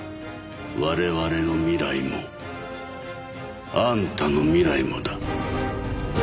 我々の未来もあんたの未来もだ。